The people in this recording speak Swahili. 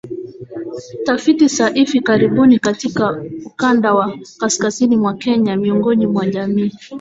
Tafiti za hivi karibuni katika ukanda wa kaskazini mwa Kenya miongoni mwa jamii